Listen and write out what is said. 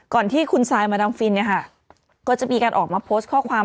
ก่อนที่คุณซายมาดามฟินจะมีการออกมาโพสต์ข้อความ